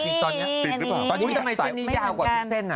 อุ๊ยทำไมเส้นนี้ย่ากว่าทุกเส้นอ่ะ